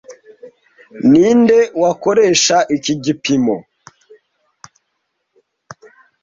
Ninde wakoresha iki gipimo